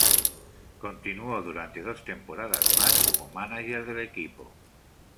Continuó durante dos temporadas más como mánager del equipo.